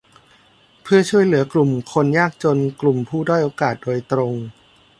เพื่อช่วยเหลือกลุ่มคนยากจนกลุ่มผู้ด้อยโอกาสโดยตรง